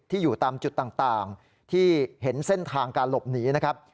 อยู่ตามจุดต่างที่เห็นเส้นทางการหลบหนีนะครับ